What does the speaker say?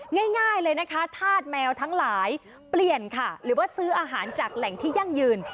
ง่ายเลยนะคะธาตุแมวทั้งหลายเปลี่ยนค่ะหรือว่าซื้ออาหารจากแหล่งที่ยั่งยืน